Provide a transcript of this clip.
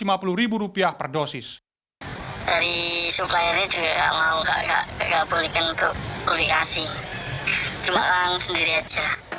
dari suppliernya juga gak mau gak boleh kentuk boleh kasih cuma langsung sendiri aja